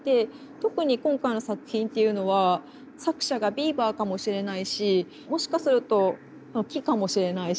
特に今回の作品っていうのは作者がビーバーかもしれないしもしかすると木かもしれないし。